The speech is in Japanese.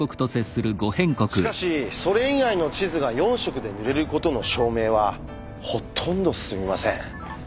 しかしそれ以外の地図が４色で塗れることの証明はほとんど進みません。